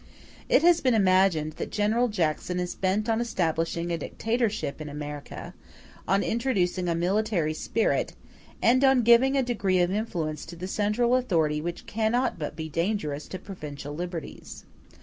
It has been imagined that General Jackson is bent on establishing a dictatorship in America, on introducing a military spirit, and on giving a degree of influence to the central authority which cannot but be dangerous to provincial liberties.